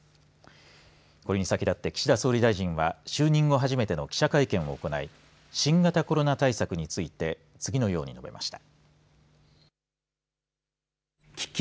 これに先立って岸田総理大臣は就任後初めての記者会見を行い新型コロナ対策について次のように述べました。